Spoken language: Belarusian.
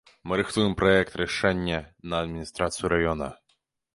Мы рыхтуем праект-рашэнне на адміністрацыю раёна.